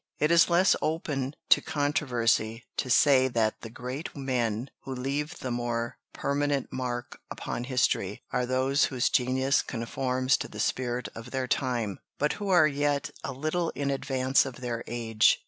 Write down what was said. It is less open to controversy to say that the great men who leave the more permanent mark upon history are those whose genius conforms to the spirit of their time, but who are yet a little in advance of their age.